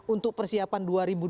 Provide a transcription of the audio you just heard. untuk persiapan dua ribu dua puluh